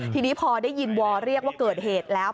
ทีนี้พอได้ยินวอเรียกว่าเกิดเหตุแล้ว